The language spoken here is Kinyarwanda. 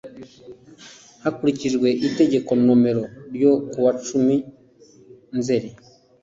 Hakurikijwe Itegeko No ryo kuwa cumi nzeri